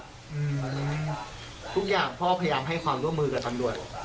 ทุกอย่างพ่อพยายามให้ความร่วมมือกับตำรวจ